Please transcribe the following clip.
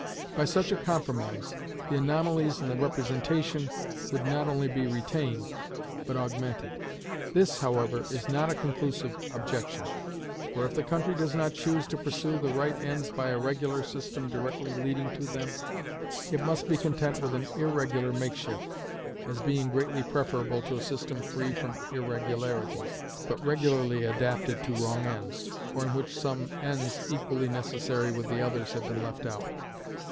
By such a compromise, the anomalies in the representation would not only be retained, but augmented; this, however, is not a conclusive objection; for if the country does not choose to pursue the right ends by a regular system directly leading to them, it must be content with an irregular makeshift, as being greatly preferable to a system free from irregularities, but regularly adapted to wrong ends, or in which some ends equally necessary with the others have been left out.